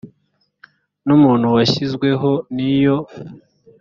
n umuntu washyizweho n iyo